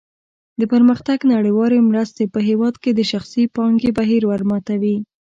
د پرمختګ نړیوالې مرستې په هېواد کې د شخصي پانګې بهیر ورماتوي.